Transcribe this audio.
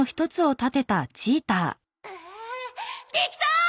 できたー！